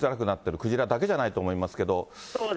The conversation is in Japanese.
クジラだけじゃないと思いますけど。